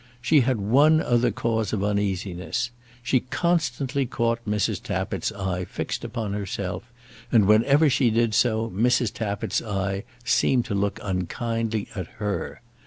She had one other cause of uneasiness. She constantly caught Mrs. Tappitt's eye fixed upon herself, and whenever she did so Mrs. Tappitt's eye seemed to look unkindly at her.